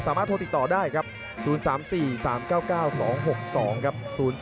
โทรติดต่อได้ครับ๐๓๔๓๙๙๒๖๒ครับ